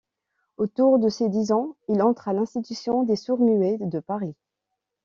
Autour de ses dix ans, il entre à l’Institution des sourds-muets de Paris.